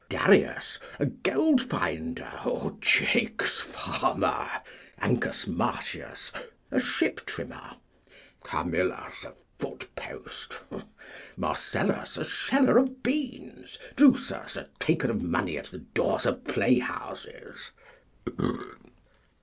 Darius, a gold finder or jakes farmer. Ancus Martius, a ship trimmer. Camillus, a foot post. Marcellus, a sheller of beans. Drusus, a taker of money at the doors of playhouses.